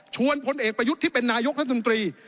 พลเอกประยุทธ์ที่เป็นนายกรัฐมนตรี